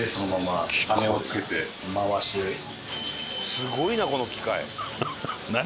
すごいなこの機械。